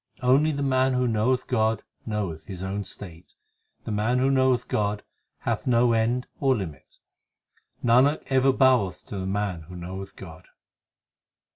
224 THE SIKH RELIGION Only the man who knoweth God knoweth his own state ; The man who knoweth God hath no end or limit. Nanak ever boweth to the man who knoweth God.